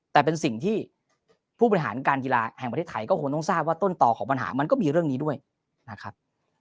แต่เป็นสิ่งที่ผู้บริหารการกีฬาแห่งประเทศไทยก็คงต้องทราบว่าต้นต่อของปัญหามันก็มีเรื่องนี้ด้วยนะครับ